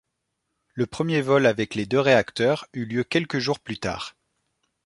Le premier vol avec les deux réacteurs eut lieu quelques jours plus tard.